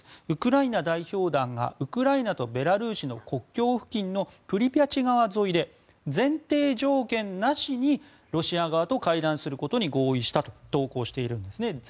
ウクライナ代表団がウクライナとベラルーシの国境付近のプリピャチ川沿いで前提条件なしにロシア側と会談することに合意したと投稿しているんですね。